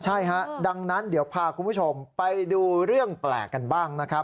ใช่ครับให้พาทุกผู้ชมดูเรื่องแปลกกันบ้าง